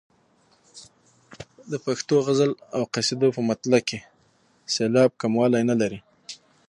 د پښتو غزل او قصیدو په مطلع کې سېلاب کموالی نه لري.